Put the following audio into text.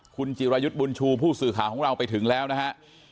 คุณจิรายุทธ์บุญชูผู้สื่อข่าวของเราไปถึงแล้วนะฮะ